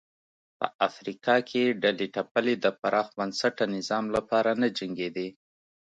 په افریقا کې ډلې ټپلې د پراخ بنسټه نظام لپاره نه جنګېدې.